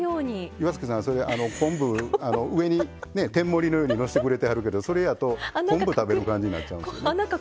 岩槻さんは昆布、上に天盛りのようにのせてはるけどそれやと昆布、食べる感じになっちゃうんです。